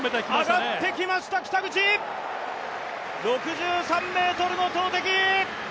上がってきました北口、６３ｍの投てき。